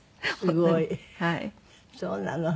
そうなの。